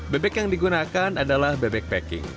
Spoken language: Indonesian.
bebek yang digunakan adalah bebek packing